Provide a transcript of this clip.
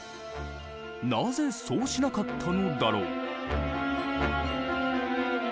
なぜそうしなかったのだろう？